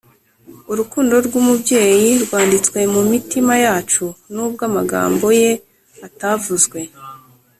urukundo rw'umubyeyi rwanditswe mu mitima yacu, nubwo amagambo ye atavuzwe